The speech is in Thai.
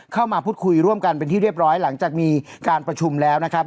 เข้ามาพูดคุยร่วมกันเป็นที่เรียบร้อยหลังจากมีการประชุมแล้วนะครับ